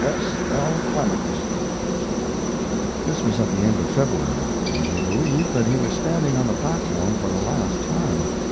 S. L. CLEMENS. This was at the end of February, and he believed that he was standing on the platform for the last time.